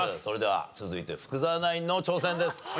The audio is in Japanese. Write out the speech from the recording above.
それでは続いて福澤ナインの挑戦です。